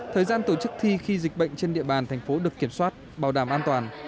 thời gian tổ chức thi khi dịch bệnh trên địa bàn thành phố được kiểm soát bảo đảm an toàn